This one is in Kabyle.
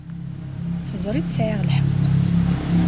Teẓriḍ sεiɣ lḥeqq.